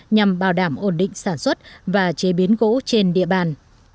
nhằm bảo đảm ổn định sản xuất và chế biến gỗ trên địa bàn